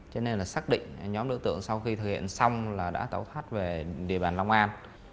cho nên là xác định nhóm đối tượng sau khi thực hiện xong là đã tẩu thoát về địa bàn long an